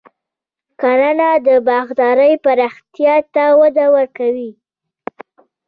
کرنه د باغدارۍ پراختیا ته وده ورکوي.